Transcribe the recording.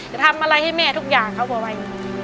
จะทำอะไรให้แม่ทุกอย่างเขาก็ไว้